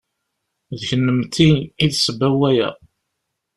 D kennemti i d ssebba n waya.